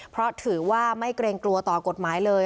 เพราะถือว่าไม่เกรงกลัวต่อกฎหมายเลย